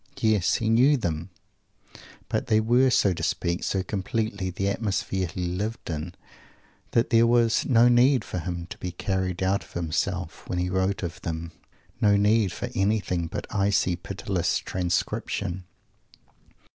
Yes, he knew them; but they were, so to speak, so completely the atmosphere he lived in that there was no need for him to be carried out of himself when he wrote of them; no need for anything but icy, pitiless transcription.